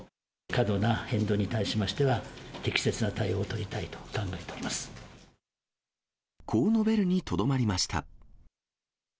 過度な変動に対しましては、適切な対応を取りたいと考えておこう述べるにとどまりました。